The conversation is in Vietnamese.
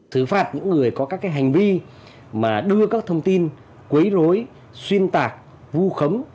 thứ phạt những người có các hành vi mà đưa các thông tin quấy rối xuyên tạc vu khấm